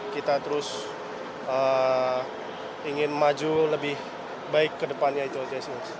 kita terus ingin maju lebih baik kedepannya itu